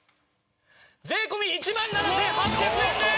税込１万７８００円です！